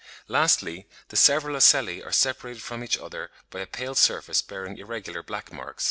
Lastly, the several ocelli are separated from each other by a pale surface bearing irregular black marks.